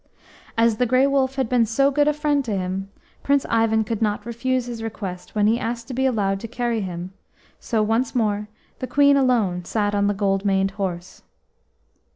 As the Grey Wolf had been so good a friend to him, Prince Ivan could not refuse his request when he asked to be allowed to carry him, so once more the Queen alone sat on the gold maned horse.